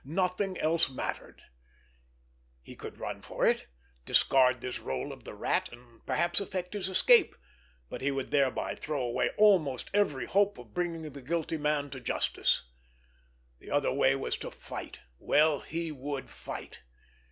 Nothing else mattered. He could run for it, discard this rôle of the Rat, and perhaps effect his escape, but he would thereby throw away almost every hope of bringing the guilty man to justice. The other way was to fight. Well, he would fight!